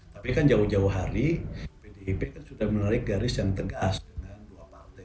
tapi kan jauh jauh hari pdip kan sudah menarik garis yang tegas dengan dua partai